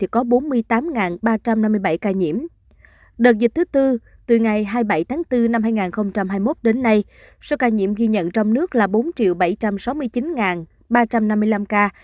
các địa phương ghi nhận số ca nhiễm ghi nhận trong nước là bốn bảy trăm sáu mươi chín ba trăm năm mươi năm ca